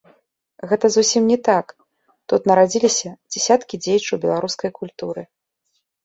Гэта зусім не так, тут нарадзіліся дзясяткі дзеячаў беларускай культуры.